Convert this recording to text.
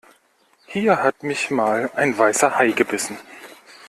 Hier hat mich mal ein Weißer Hai gebissen.